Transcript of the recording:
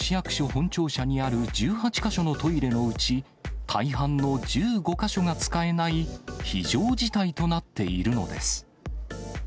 本庁舎にある１８か所のトイレのうち、大半の１５か所が使えない、非常事態となっているのです。